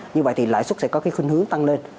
như vậy thì lãi suất sẽ có cái khuyên hướng tăng lên